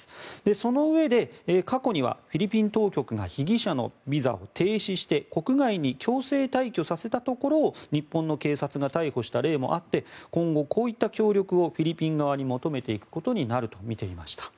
そのうえで過去にはフィリピン当局が被疑者のビザを停止して国外に強制退去させたところを日本の警察が逮捕した例もあって今後、こういった協力をフィリピン側に求めていくことになるとみていました。